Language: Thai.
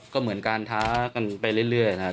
ก็เหมือนการท้ากันไปเรื่อยนะครับ